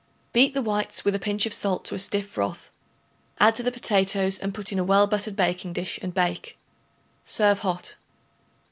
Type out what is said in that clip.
Beat the whites with a pinch of salt to a stiff froth; add to the potatoes and put in a well buttered baking dish and bake. Serve hot.